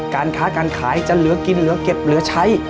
การค้าการขายจะเหลือกินเหลือเก็บเหลือใช้